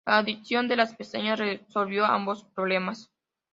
La adición de la pestaña resolvió ambos problemas.